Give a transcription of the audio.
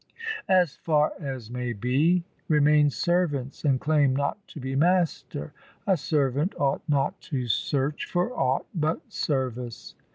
As far as may be, remain servants and claim not to be Master : 2 A servant ought not to search for aught but service.